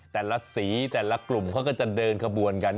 แต่ละสีแต่ละกลุ่มเขาก็จะเดินขบวนกัน